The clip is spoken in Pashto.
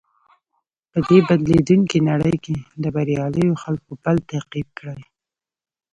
په دې بدليدونکې نړۍ کې د برياليو خلکو پل تعقيب کړئ.